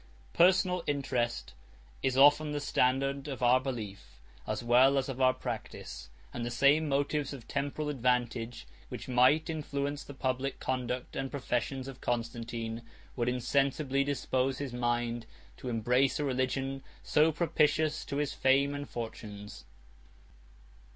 Personal interest is often the standard of our belief, as well as of our practice; and the same motives of temporal advantage which might influence the public conduct and professions of Constantine, would insensibly dispose his mind to embrace a religion so propitious to his fame and fortunes.